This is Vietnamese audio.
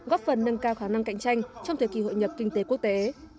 góp phần nâng cao khả năng cạnh tranh trong thời kỳ hội nhập kinh tế quốc tế